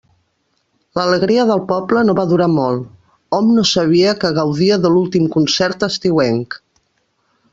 L'alegria del poble no va durar molt, hom no sabia que gaudia de l'últim concert estiuenc.